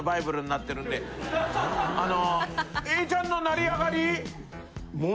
あの。